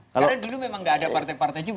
karena dulu memang enggak ada partai partai juga